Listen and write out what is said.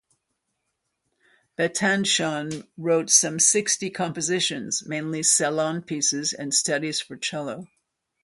Battanchon wrote some sixty compositions, mainly salon pieces and studies for cello.